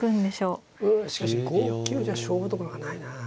うんしかし５九じゃ勝負どころがないなあ。